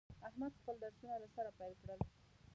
احمد خپل درسونه له سره پیل کړل.